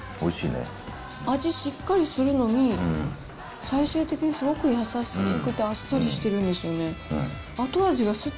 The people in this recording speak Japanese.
味しっかりするのに、最終的にすごく優しくてあっさりしてるんですよね。